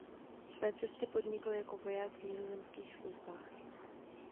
Své cesty podnikl jako voják v nizozemských službách.